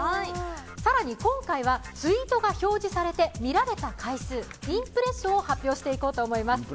更に今回はツイートが表示されて見られた回数、インプレッションを発表していこうと思います。